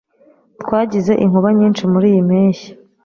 Twagize inkuba nyinshi muriyi mpeshyi.